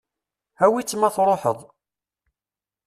Awi-tt ma truḥeḍ.